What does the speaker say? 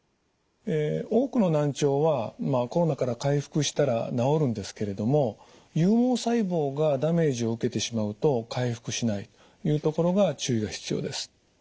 多くの難聴はコロナから回復したら治るんですけれども有毛細胞がダメージを受けてしまうと回復しないというところが注意が必要です。